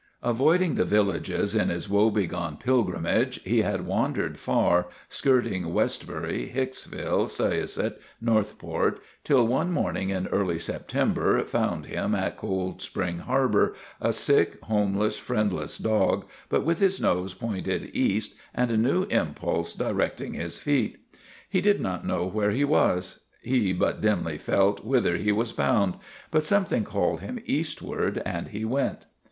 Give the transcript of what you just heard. Avoiding the villages in his woe begone pilgrimage, he had wandered far, 3o8 THE RETURN OF THE CHAMPION skirting Westbury, Hicksville, Syosset, Northport, till one morning in early September found him at Cold Spring Harbor, a sick, homeless, friendless dog, but with his nose pointed east and a new im pulse directing his feet. He did not know where he was ; he but dimly felt whither he was bound; but something called him eastward, and he went.